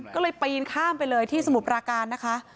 ก็เลยปีนข้ามไปเลยที่สมุทรปราการนะคะ